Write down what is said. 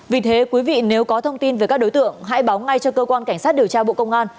vì thế quý vị nếu có thông tin về các đối tượng hãy báo ngay cho cơ quan cảnh sát điều tra bộ công an